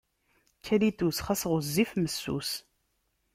Kalitus, xas ɣezzif, messus.